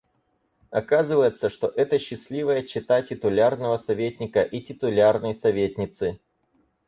Оказывается, что это счастливая чета титулярного советника и титулярной советницы.